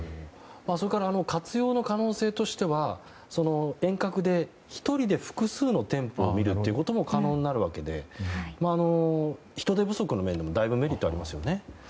それから活用の可能性としては遠隔で１人で複数の店舗を見ることも可能になるので人手不足の面でも、だいぶメリットがありますよね。